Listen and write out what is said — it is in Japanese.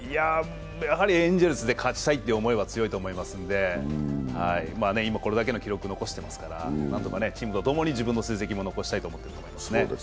やはりエンゼルスで勝ちたいという思いはあると思いますから、今、これだけの記録を残してますから、何とか、チームと共に自分の成績も残したいと思っていると思います。